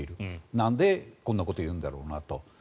なんでこんなこと言うんだろうなと。